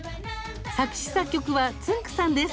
作詞・作曲はつんくさんです。